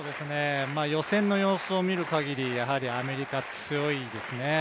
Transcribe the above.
予選の様子を見る限り、やはりアメリカ、強いですね。